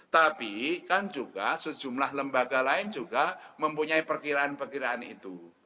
tapi kan juga sejumlah lembaga lain juga mempunyai perkiraan perkiraan itu